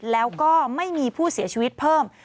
แล้วก็ไม่มีผู้เสียชีวิตเพิ่ม